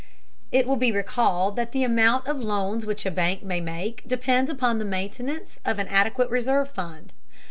It will be recalled that the amount of loans which a bank may make depends upon the maintenance of an adequate reserve fund.